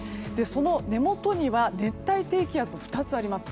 その根元には熱帯低気圧が２つあります。